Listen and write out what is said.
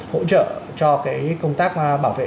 hỗ trợ cho cái công tác bảo vệ